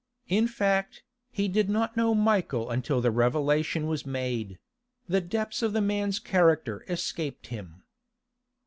In fact, he did not know Michael until the revelation was made; the depths of the man's character escaped him.